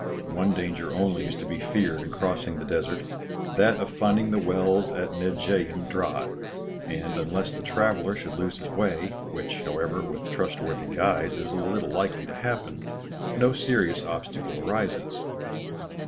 One danger only is to be feared in crossing the desert; that of finding the wells at Nedjeym dry; and, unless the traveller should lose his way, which, however, with trustworthy guides, is little likely to happen, no serious obstacle arises.